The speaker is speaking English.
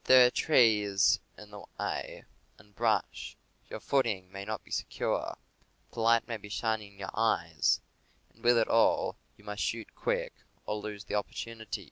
Then there are trees in the way, and brush; your footing may not be secure; the light may be shining in your eyes; and, with it all, you must shoot quick, or lose the opportunity.